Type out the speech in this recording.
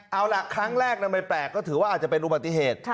เอาล่ะครั้งแรกไม่แปลกก็ถือว่าอาจจะเป็นอุบัติเหตุ